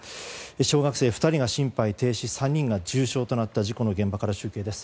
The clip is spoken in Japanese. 小学生２人が心肺停止３人が重傷となった事故の現場から中継です。